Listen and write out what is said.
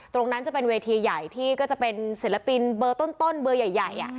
ตรงนั้นจะเป็นเวทีใหญ่ที่ก็จะเป็นศิลปินเบอร์ต้นเบอร์ใหญ่